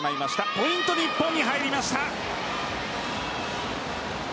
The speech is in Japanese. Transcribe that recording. ポイント、日本に入りました！